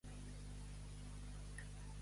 Pel desembre, pluja, boira o gran solera.